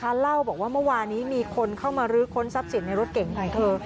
เล่าบอกว่าเมื่อวานี้มีคนเข้ามาลื้อค้นทรัพย์สินในรถเก๋งของเธอ